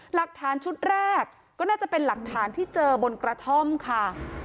หลักฐานชุดแรกก็น่าจะเป็นหลักฐานที่เจอบนกระท่อมค่ะ